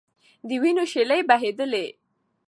د وینو شېلې بهېدلې.